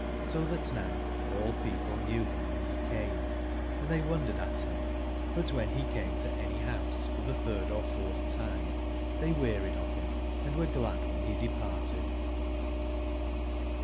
So that now all people knew him when he came, and they wondered at him ; but when he came to any house for the third or fourth time, they wearied of him, and were glad when he departed.